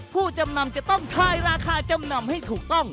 ผู้จำนำจะต้องทายราคาจำนำให้ถูกต้อง